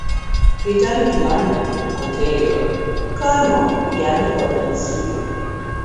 Returning to London, Ontario, Curnoe began to work in the studio.